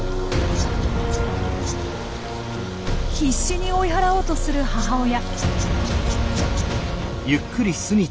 必死に追い払おうとする母親。